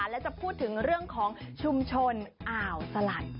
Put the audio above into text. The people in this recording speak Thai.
และจะพูดถึงเรื่องของชุมชนอ่าวสลัด